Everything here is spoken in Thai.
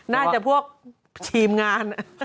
น่าจะพวกทีมงาน